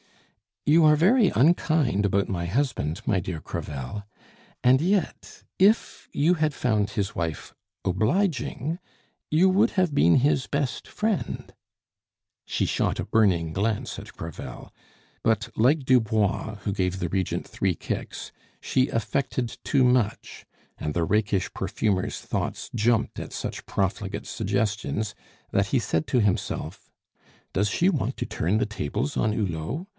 "You are very unkind about my husband, my dear Crevel and yet, if you had found his wife obliging, you would have been his best friend " She shot a burning glance at Crevel; but, like Dubois, who gave the Regent three kicks, she affected too much, and the rakish perfumer's thoughts jumped at such profligate suggestions, that he said to himself, "Does she want to turn the tables on Hulot?